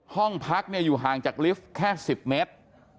ห้องพักอยู่ห่างจากลิฟต์แค่๑๐เมตร